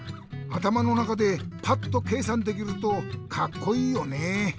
あたまのなかでパッとけいさんできるとカッコイイよね。